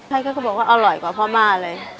เขาก็บอกว่าอร่อยกว่าพ่อม่าเลย